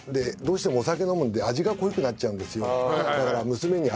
どうしてもお酒飲むんで味が濃くなっちゃうんですよ。